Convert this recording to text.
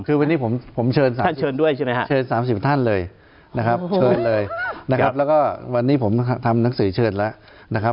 คือวันนี้ผมเชิญ๓๐ท่านเลยนะครับเชิญเลยและวันนี้ผมทำหนักสือเชิญละละ